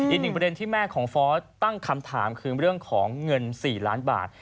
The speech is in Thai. อีกหนึ่งประเด็นที่แม่ของฟอสตั้งคำถามคือเรื่องของเงิน๔ล้านบาท